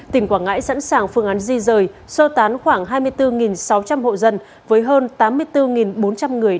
tỉnh quảng ngãi sẵn sàng phương án di rời sơ tán khoảng hai mươi bốn sáu trăm linh hộ dân với hơn tám mươi bốn bốn trăm linh người